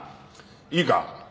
いいか？